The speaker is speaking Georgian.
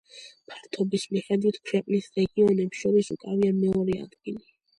ფართობის მიხედვით ქვეყნის რეგიონებს შორის უკავია მეორე ადგილი.